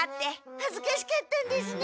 はずかしかったんですね。